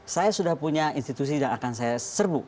saya sudah punya institusi yang akan saya serbu